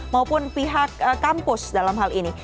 maupun pihak kampus dalam hal ini